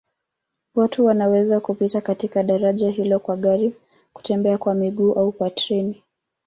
Watu wanaweza kupita katika daraja hilo kwa gari, kutembea kwa miguu au kwa treni.